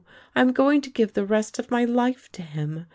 I am going to give the rest of my life to him.